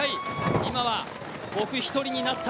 今は僕１人になった。